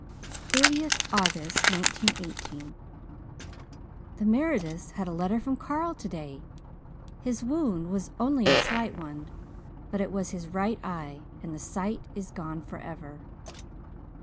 30th August 1918 "The Merediths had a letter from Carl today. His wound was "only a slight one" but it was in his right eye and the sight is gone for ever!